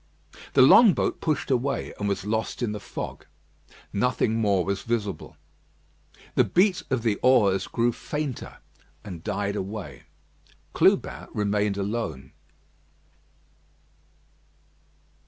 The long boat pushed away, and was lost in the fog. Nothing more was visible. The beat of the oars grew fainter, and died away. Clubin remained alone.